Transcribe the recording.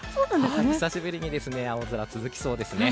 久しぶりに青空が続きそうですね。